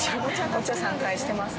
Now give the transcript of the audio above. お茶３回してますね。